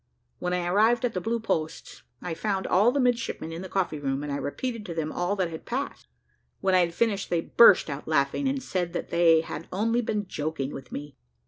When I arrived at the Blue Posts, I found all the midshipmen in the coffee room, and I repeated to them all that had passed. When I had finished, they burst out laughing, and said that they had only been joking with me.